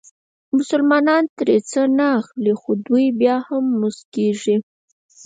مسلمانان ترې څه نه اخلي خو دوی بیا هم موسکېږي.